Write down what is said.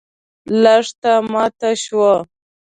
لښته ماته شوه.